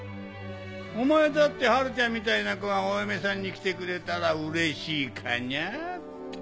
お前だってハルちゃんみたいなコがお嫁さんに来てくれたらうれしいかにゃって。